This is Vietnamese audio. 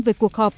về cuộc họp